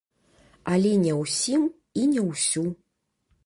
Але не ўсім і не ўсю.